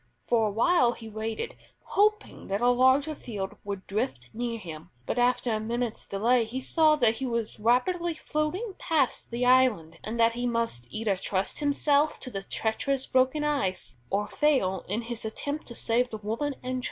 For awhile he waited, hoping that a larger field would drift near him; but after a minute's delay he saw that he was rapidly floating past the island, and that he must either trust himself to the treacherous broken ice, or fail in his attempt to save the woman and child.